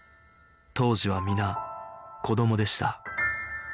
当時は皆子どもでした